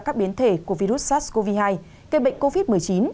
các biến thể của virus sars cov hai gây bệnh covid một mươi chín